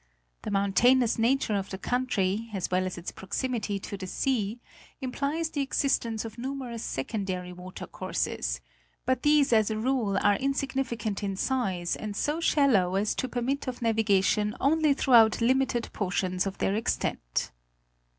'The mountainous nature of the country, as well as its proximity to the sea, implies the existence of numerous secondary water courses, but these as a rule are in significant in size and so shallow as to permit of navigation only throughout limited portions of their extent.